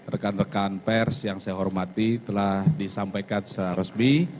rekan rekan pers yang saya hormati telah disampaikan secara resmi